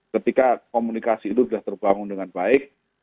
ketika komunikasi itu sudah terbangun dengan baik